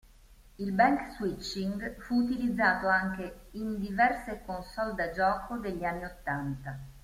Il bank switching fu utilizzato anche in diverse console da gioco degli anni ottanta.